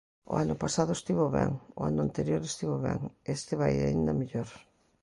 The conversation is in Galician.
O ano pasado estivo ben, o ano anterior estivo ben, este vai aínda mellor.